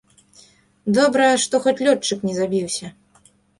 Добра, што хоць лётчык не забіўся.